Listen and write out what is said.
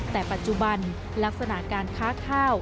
แต่ปัจจุบันลักษณะการค้าข้าว